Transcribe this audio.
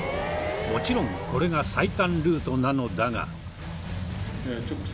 もちろんこれが最短ルートなのだが。